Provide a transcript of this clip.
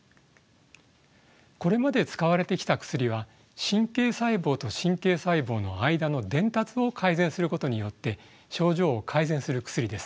これまで使われてきた薬は神経細胞と神経細胞の間の伝達を改善することによって症状を改善する薬です。